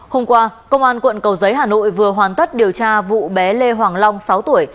hôm qua công an quận cầu giấy hà nội vừa hoàn tất điều tra vụ bé lê hoàng long sáu tuổi